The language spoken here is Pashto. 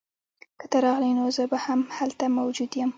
که ته راغلې نو زه به هم هلته موجود یم